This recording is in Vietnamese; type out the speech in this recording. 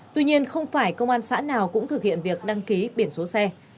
tuy nhiên không phải công an xã nào cũng thực hiện việc đăng ký biển số xe